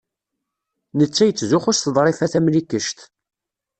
Netta yettzuxxu s Ḍrifa Tamlikect.